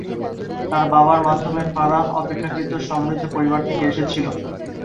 তার বাবার মাধ্যমে ফারাহ অপেক্ষাকৃত সমৃদ্ধ পরিবার থেকে এসেছিলেন।